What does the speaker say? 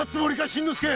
新之助！